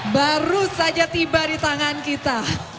baru saja tiba di tangan kita